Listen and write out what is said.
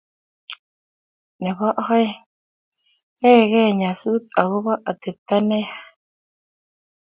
nebo aeng, yaegee nyasut agoba atepto neya